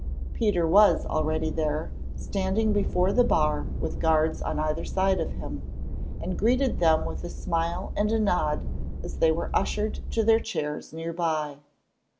Peter was already there, standing before the bar with guards on either side of him, and greeted them with a smile and a nod as they were ushered to their chairs near by.